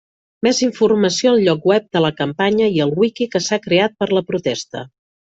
Més informació al lloc web de la campanya i al Wiki que s'ha creat per la protesta.